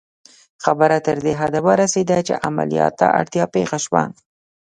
خبره تر دې حده ورسېده چې عملیات ته اړتیا پېښه شوه